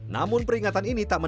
namun peringatan ini tak mudah